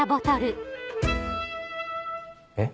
えっ。